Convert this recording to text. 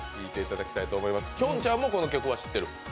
きょんちゃんもこの曲は知ってる？